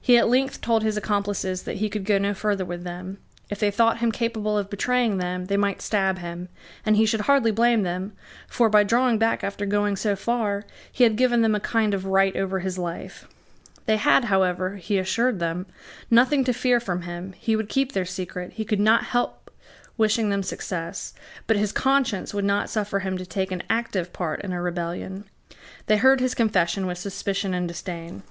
He at length told his accomplices that he could go no further with them. If they thought him capable of betraying them, they might stab him; and he should hardly blame them; for, by drawing back after going so far, he had given them a kind of right over his life. They had, however, he assured them, nothing to fear from him: he would keep their secret; he could not help wishing them success; but his conscience would not suffer him to take an active part in a rebellion. They heard his confession with suspicion and disdain.